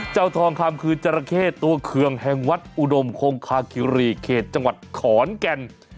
ทองคำคือจราเข้ตัวเคืองแห่งวัดอุดมคงคาคิรีเขตจังหวัดขอนแก่น